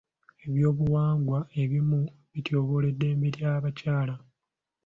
Eby'obuwangwa ebimu bityoboola eddembe ly'abakyala.